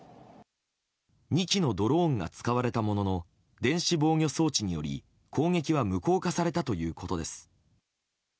２機のドローンが使われたものの電子防御装置により攻撃は無効化されたということです。